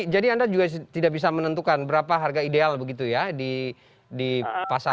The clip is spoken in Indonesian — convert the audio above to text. jadi anda juga tidak bisa menentukan berapa harga ideal begitu ya di pasaran